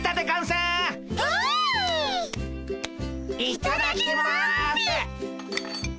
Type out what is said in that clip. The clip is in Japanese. いただきます。